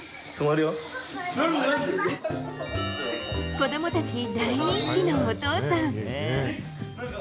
子供たちに大人気のお父さん。